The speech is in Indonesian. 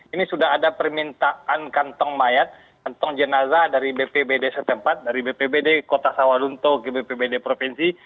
ini sudah ada permintaan kantong mayat kantong jenazah dari bpbd setempat dari bpbd kota sawarunto ke bpbd provinsi